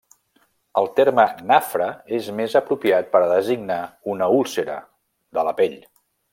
El terme nafra és més apropiat per a designar una úlcera, de la pell.